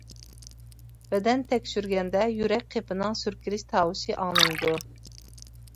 بەدەن تەكشۈرگەندە يۈرەك قېپىنىڭ سۈركىلىش تاۋۇشى ئاڭلىنىدۇ.